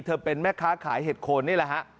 เธอเป็นแม่ค้าขายเหตุโคนนี่ละฮะ